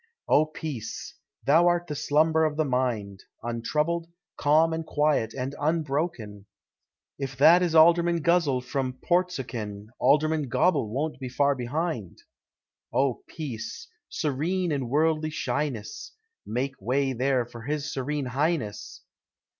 Oh Peace! thou art the slumber of the mind, Untroubled, calm and quiet, and unbroken, If that is Alderman Guzzle from Portsoken, Alderman Gobble won't be far behind. Oh Peace! serene in worldly shyness, Make way there for his Serene Highness!